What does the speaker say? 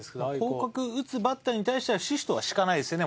広角打つバッターに対してはシフトは敷かないですよね